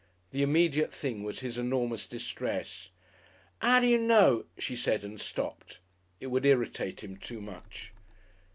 The immediate thing was his enormous distress. "'Ow do you know ?" she said and stopped. It would irritate him too much.